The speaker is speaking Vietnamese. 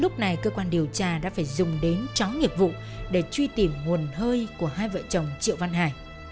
cơ quan điều tra đã phải dùng đến tróng nghiệp vụ để truy tìm nguồn hơi của hai vợ chồng triệu văn hải